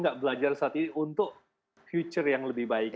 tidak belajar saat ini untuk masa depan yang lebih baik